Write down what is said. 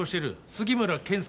杉村健介